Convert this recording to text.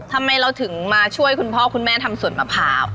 ทำไมเราถึงมาช่วยคุณพ่อคุณแม่ทำสวนมะพร้าว